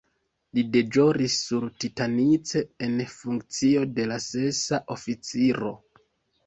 Li deĵoris sur "Titanic" en funkcio de la sesa oficiro.